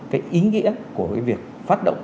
cái ý nghĩa của cái việc phát động